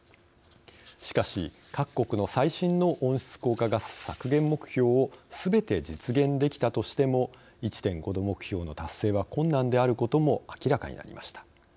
しかし、各国の最新の温室効果ガス削減目標をすべて実現できたとしても１．５℃目標の達成は困難であることも明らかになりました。